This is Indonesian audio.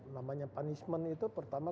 namanya punishment itu pertama